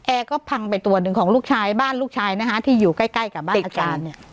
ก็พังไปตัวหนึ่งของลูกชายบ้านลูกชายนะฮะที่อยู่ใกล้ใกล้กับบ้านอาจารย์เนี่ย